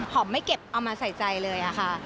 ไม่เก็บเอามาใส่ใจเลยอะค่ะ